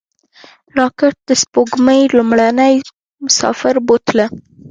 راکټ د سپوږمۍ لومړنی مسافر بوتله